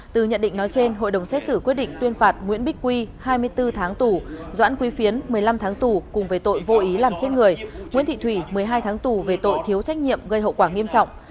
từ nhận định nói trên hội đồng xét xử quyết định tuyên phạt nguyễn bích quy hai mươi bốn tháng tù doãn quy phiến một mươi năm tháng tù cùng với tội vô ý làm chết người nguyễn thị thủy một mươi hai tháng tù về tội thiếu trách nhiệm gây hậu quả nghiêm trọng